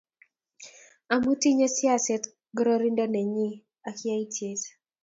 amu tinyei siaset gororonindo nenyi ako yaityet